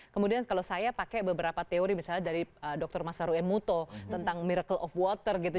kemudian kalau saya pakai beberapa teori misalnya dari dr masaru emuto tentang miracle of water gitu